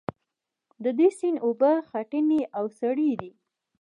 د دې سیند اوبه خټینې او سرې دي.